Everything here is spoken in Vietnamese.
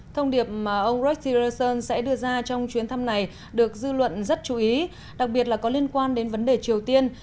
thông điệp mà ông richirosson sẽ đưa ra trong chuyến thăm này được dư luận rất chú ý đặc biệt là có liên quan đến vấn đề triều tiên